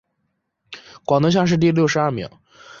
广东乡试第六十二名。